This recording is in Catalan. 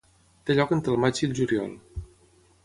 Té lloc entre el maig i el juliol.